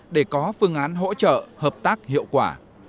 để có phương án hỗ trợ hợp tác hiệu quả